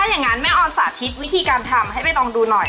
อย่างนั้นแม่ออนสาธิตวิธีการทำให้ใบตองดูหน่อย